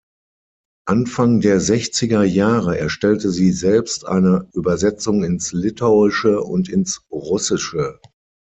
Anfang der sechziger Jahre erstellte sie selbst eine Übersetzung ins Litauische und ins Russische.